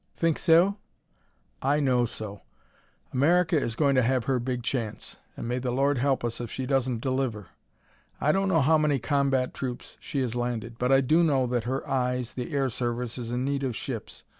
"Think so?" "I know so! America is going to have her big chance and may the Lord help us if she doesn't deliver! I don't know how many combat troops she has landed, but I do know that her eyes, the air service, is in need of ships.